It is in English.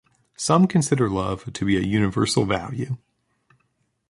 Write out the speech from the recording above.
Some consider love to be a universal value.